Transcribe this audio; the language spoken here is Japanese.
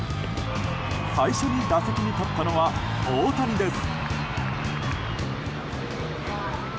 最初に打席に立ったのは大谷です。